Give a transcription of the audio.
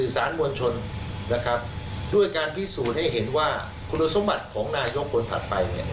สารมวลชนนะครับด้วยการพิสูจน์ให้เห็นว่าคุณสมบัติของนายกคนถัดไป